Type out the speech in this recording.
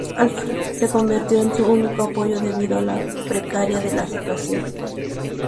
Alfred se convirtió en su único apoyo debido a lo precaria de su situación.